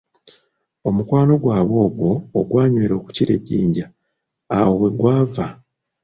Omukwano gwabwe ogwo ogwanywera okukira ejjinja awo we gwava.